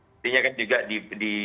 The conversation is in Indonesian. pintinya kan juga di